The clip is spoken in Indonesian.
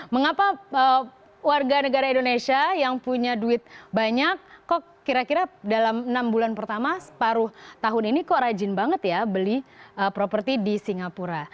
mengapa warga negara indonesia yang punya duit banyak kok kira kira dalam enam bulan pertama separuh tahun ini kok rajin banget ya beli properti di singapura